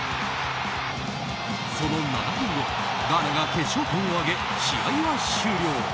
その７分後ガーナが決勝点を挙げ試合は終了。